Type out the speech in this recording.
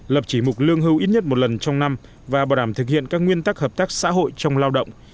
lập chỉ mục lương hưu ít nhất một lần trong năm và bảo đảm thực hiện các nguyên tắc hợp tác xã hội trong lao động